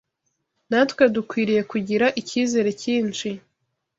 natwe dukwiriye kugira icyizere cyinshi